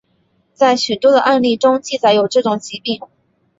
在许多的案例中记载有这种疾病。